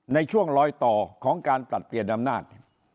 ในช่วงลอยต่อของการปรับเปลี่ยนอำนาจ